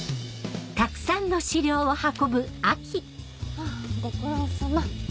あっご苦労さま。